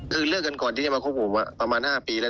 คือเลิกกันก่อนที่จะมาคบผมประมาณ๕ปีแล้ว